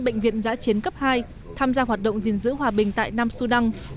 bệnh viện giã chiến cấp hai tham gia hoạt động gìn giữ hòa bình tại nam sudan